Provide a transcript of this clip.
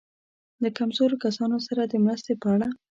له کمزورو کسانو سره د مرستې په اړه.